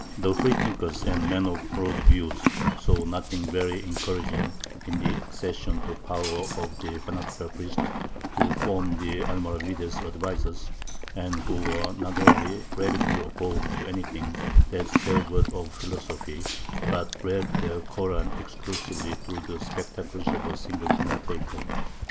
The free thinkers and men of broad views saw nothing very encouraging in the accession to power of the fanatical priests who formed the Almoravides' advisers, and who were not only rabidly opposed to anything that savoured of philosophy, but read their Koran exclusively through the spectacles of a single commentator.